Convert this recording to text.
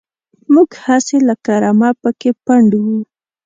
موږ هسې لکه رمه پکې پنډ وو.